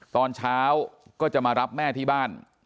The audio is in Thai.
ตอนเช้าก็จะมารับแม่ที่บ้าน